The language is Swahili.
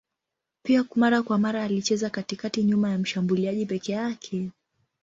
Pia mara kwa mara alicheza katikati nyuma ya mshambuliaji peke yake.